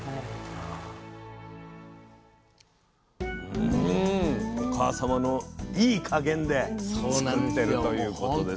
うんお母様のいい加減で作ってるということですね。